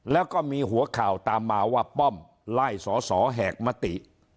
แล้วก็มีหัวข่าวตามมาว่าป้อมไล่สอสอแหกมติ